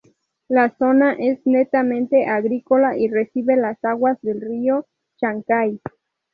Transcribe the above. La zona es netamente agrícola y recibe las aguas del río Chancay.